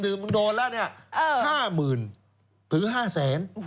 โดนแล้ว๕หมื่นถือ๕แสน